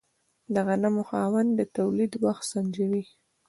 د غنمو خاوند د تولید وخت سنجوي.